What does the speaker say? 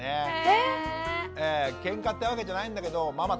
えっ⁉ケンカってわけじゃないんだけどママ